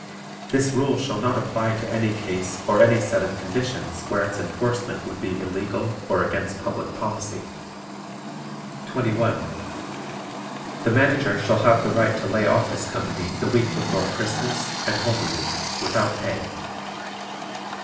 This rule shall not apply to any case or any set of conditions where its enforcement would be illegal or against public policy. 21. The Manager shall have the right to lay off his company the week before Christmas and Holy Week without pay.